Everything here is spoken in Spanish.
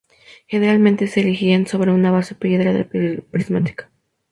Generalmente se erigían sobre una base de piedra prismática.